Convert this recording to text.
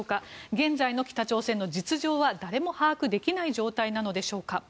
現在の北朝鮮の実情は誰も把握できない状況なのでしょうか。